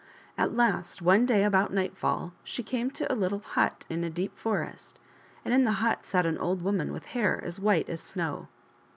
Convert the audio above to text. At last one day, about nightfall, she came to a little hut in a deep forest, and in the hut sat an old woman with hair as white as snow.